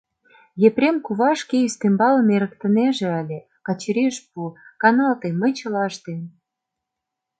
Епрем кува шке ӱстембалым эрыктынеже ыле, Качырий ыш пу: «Каналте, мый чыла ыштем».